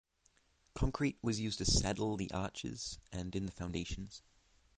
Concrete was used to 'saddle' the arches and in the foundations.